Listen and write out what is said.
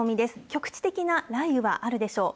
局地的な雷雨はあるでしょう。